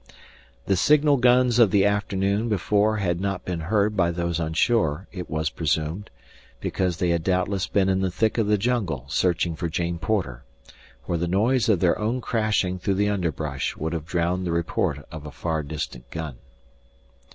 The signal guns of the afternoon before had not been heard by those on shore, it was presumed, because they had doubtless been in the thick of the jungle searching for Jane Porter, where the noise of their own crashing through the underbrush would have drowned the report of a far distant gun.